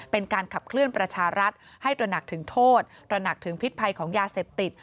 เป็นการขับเคลื่อนประชารัฐให้ตระหนักถึงโทษตระหนักถึงพิษภัยของยาเสพติด